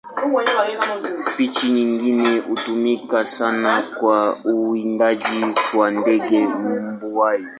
Spishi nyingine hutumika sana kwa uwindaji kwa ndege mbuai.